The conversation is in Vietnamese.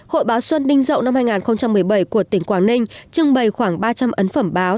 hội báo xuân đinh dậu năm hai nghìn một mươi bảy của tỉnh quảng ninh trưng bày khoảng ba trăm linh ấn phẩm báo